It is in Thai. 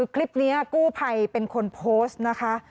คลิปนี้กู้ภัยเป็นคนโพสต์นะคะ